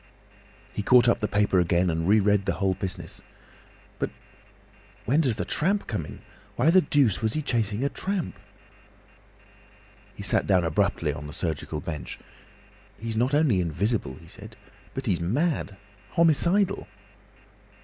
He caught up the paper again, and re read the whole business. "But when does the Tramp come in? Why the deuce was he chasing a tramp?" He sat down abruptly on the surgical bench. "He's not only invisible," he said, "but he's mad! Homicidal!"